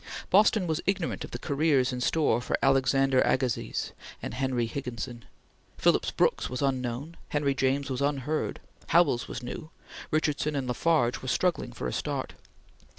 Boston was ignorant of the careers in store for Alexander Agassiz and Henry Higginson. Phillips Brooks was unknown; Henry James was unheard; Howells was new; Richardson and LaFarge were struggling for a start.